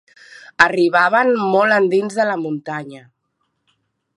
Arribaven molt endins de la muntanya